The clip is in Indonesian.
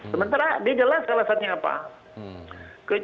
sementara dia jelas alasannya apa